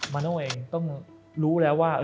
มันโน่ต้องรู้แล้วว่า